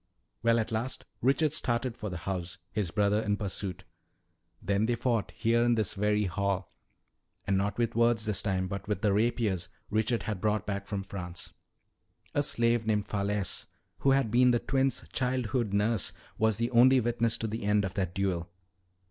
"Well, at last Richard started for the house, his brother in pursuit. "Then they fought, here in this very hall. And not with words this time, but with the rapiers Richard had brought back from France. A slave named Falesse, who had been the twins' childhood nurse, was the only witness to the end of that duel.